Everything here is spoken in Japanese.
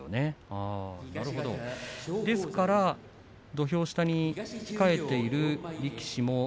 ですから土俵下に控えている力士も。